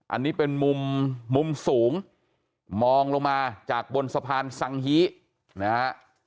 อันนี้เป็นมุมมุมสูงมองลงมาจากบนสะพานสังฮีนะฮะ